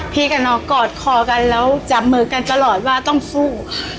กับน้องกอดคอกันแล้วจับมือกันตลอดว่าต้องสู้